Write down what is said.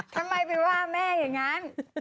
ทำไมไปว่าแม่อย่างนั้น